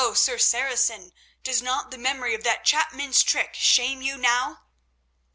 Sir Saracen, does not the memory of that chapman's trick shame you now?"